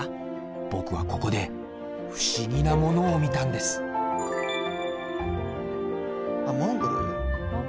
僕はここで不思議なものを見たんですモンゴル？